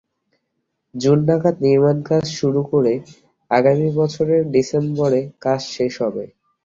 June নাগাদ নির্মাণকাজ শুরু করে আগামী বছরের ডিসেম্বরে কাজ শেষ হবে।